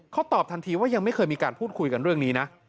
เขาตอบทันทีว่ายังไม่เคยมีการพูดคุยกันเรื่องนี้นะ